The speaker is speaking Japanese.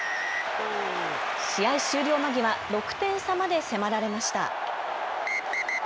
試合終了間際、６点差まで迫られました。